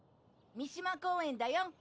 三島公園だよ。